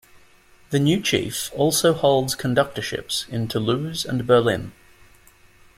The new chief also holds conductorships in Toulouse and Berlin.